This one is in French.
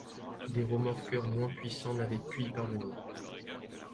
Des remorqueurs moins puissants n'avaient pu y parvenir.